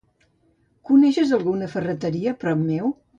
Coneixes alguna ferreteria a prop meu?